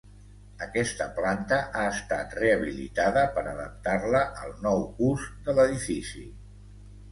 Aquesta planta ha estat rehabilitada per adaptar-la al nou ús de l'edifici.